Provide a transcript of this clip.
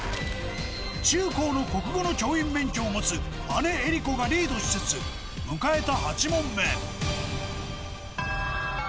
中高の国語の教員免許を持つ姉江里子がリードしつつ迎えた